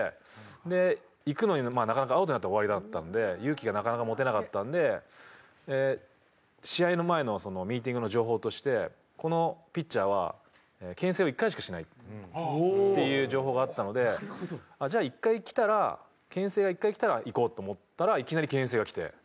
で行くのになかなかアウトになったら終わりだったので勇気がなかなか持てなかったので試合の前のミーティングの情報としてこのピッチャーは牽制を１回しかしないっていう情報があったのでじゃあ１回きたら牽制が１回きたら行こうと思ったらいきなり牽制が来て。